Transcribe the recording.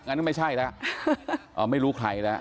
ไม่ใช่แล้วไม่รู้ใครแล้ว